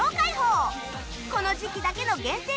この時期だけの限定